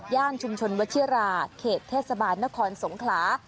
ชุมชนวชิราเขตเทศบาลนครสงขลา